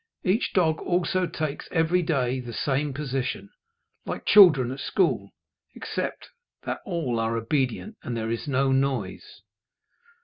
Each dog also takes every day the same position, like children at school, except that all are obedient, and there is no noise.